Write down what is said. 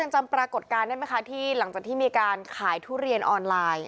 จำปรากฏการณ์ได้ไหมคะที่หลังจากที่มีการขายทุเรียนออนไลน์